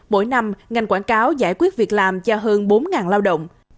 mỗi năm ngành quảng cáo giải quyết việc làm cho hơn bốn lao động